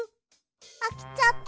あきちゃった。